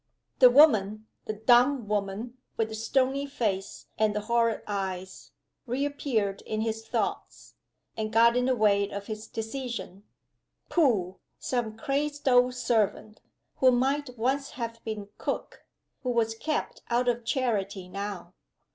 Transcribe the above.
The woman the dumb woman, with the stony face and the horrid eyes reappeared in his thoughts, and got in the way of his decision. Pooh! some crazed old servant, who might once have been cook; who was kept out of charity now.